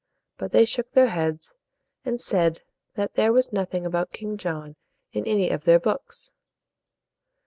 But they shook their heads, and said that there was nothing about King John in any of their books.